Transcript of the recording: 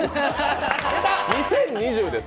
２０２０です